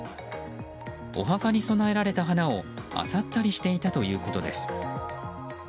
お墓に備えられた花をあさったりしていたということです。